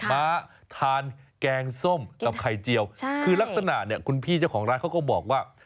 มาทานแกงส้มกับไข่เจียวใช่คือลักษณะเนี่ยคุณพี่เจ้าของร้านเขาก็บอกว่า